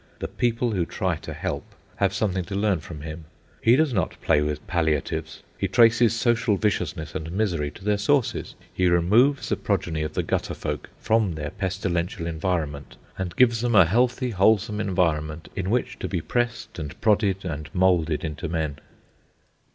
The people who try to help have something to learn from him. He does not play with palliatives. He traces social viciousness and misery to their sources. He removes the progeny of the gutter folk from their pestilential environment, and gives them a healthy, wholesome environment in which to be pressed and prodded and moulded into men.